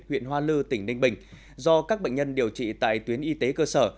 huyện hoa lư tỉnh ninh bình do các bệnh nhân điều trị tại tuyến y tế cơ sở